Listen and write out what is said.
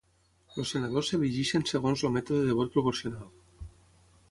Els senadors s'elegeixen segons el mètode de vot proporcional.